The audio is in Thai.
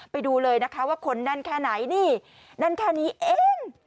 ไปดูเลยนะคะว่าคนแน่นแค่ไหนนี่แน่นแค่นี้เอง